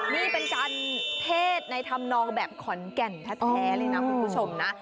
นี่เป็นการเทศในธรรมนองแบบขอนแก่นแท้เลยนะคุณผู้ชมนะ